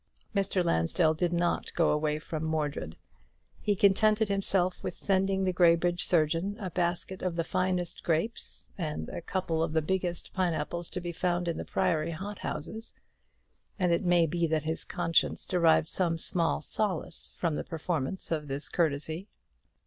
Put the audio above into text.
Mr. Lansdell did not go away from Mordred; he contented himself with sending the Graybridge surgeon a basket of the finest grapes and a couple of the biggest pines to be found in the Priory hothouses; and it may be that his conscience derived some small solace from the performance of this courtesy.